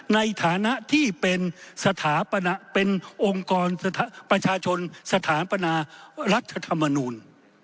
ในฐานะที่เป็นองค์กรประชาชนสถาปนารัฐธรรมนูญ